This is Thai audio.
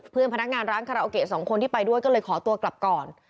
พนักงานร้านคาราโอเกะสองคนที่ไปด้วยก็เลยขอตัวกลับก่อน